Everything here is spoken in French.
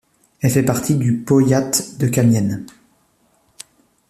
Elle fait partie du powiat de Kamień.